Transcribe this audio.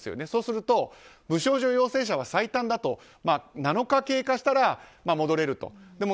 そうすると、無症状陽性者は最短だと７日経過したら戻れると。